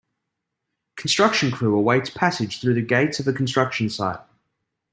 Construction crew awaits passage through the gates of a construction site.